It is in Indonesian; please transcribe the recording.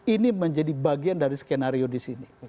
ini menjadi bagian dari skenario di sini